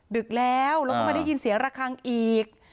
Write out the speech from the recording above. ดึกแล้วแล้วก็มาได้ยินเสียงระคังอีก